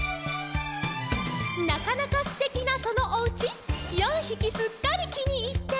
「なかなかすてきなそのおうち」「よんひきすっかりきにいって」